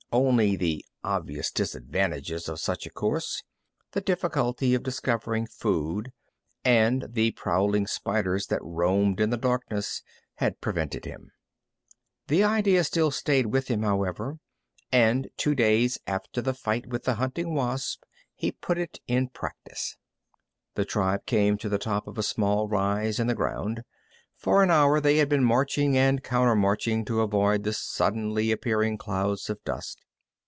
Only the obvious disadvantages of such a course the difficulty of discovering food, and the prowling spiders that roamed in the darkness had prevented him. The idea still stayed with him, however, and two days after the fight with the hunting wasp he put it in practise. The tribe came to the top of a small rise in the ground. For an hour they had been marching and counter marching to avoid the suddenly appearing clouds of dust.